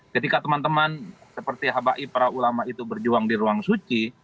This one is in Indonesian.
ketika teman teman seperti habai para ulama itu berjuang di ruang suci